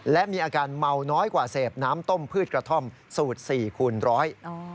และมีอาการเมาน้อยกว่าเสพน้ำต้มพืชกระท่อมสูตรสี่คูณร้อย